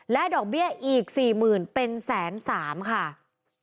และดอกเบี้ยอีก๔๐๐๐๐บาทเป็น๑๐๓๐๐๐บาท